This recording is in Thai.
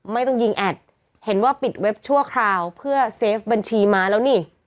ไม่ต้องยิงแอดเห็นว่าปิดเว็บชั่วคราวเพื่อเซฟบัญชีมาแล้วนี่